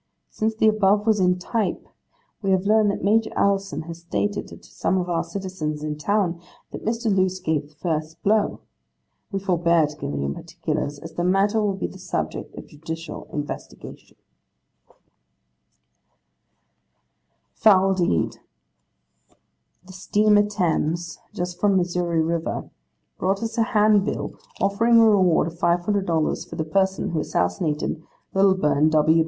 Since the above was in type, we have learned that Major Allison has stated to some of our citizens in town that Mr. Loose gave the first blow. We forbear to give any particulars, as the matter will be the subject of judicial investigation.' 'Foul Deed. The steamer Thames, just from Missouri river, brought us a handbill, offering a reward of 500 dollars, for the person who assassinated Lilburn W.